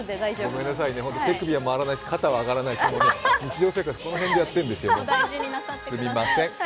ごめんなさいね、手首は回らないし肩も上がらないし日常生活、この辺でやってるんですよ、すみません。